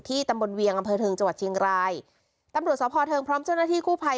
ตำบลเวียงอำเภอเทิงจังหวัดเชียงรายตำรวจสภเทิงพร้อมเจ้าหน้าที่กู้ภัย